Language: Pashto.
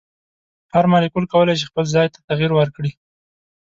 هر مالیکول کولی شي خپل ځای ته تغیر ورکړي.